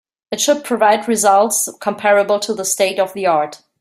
It should provided results comparable to the state of the art.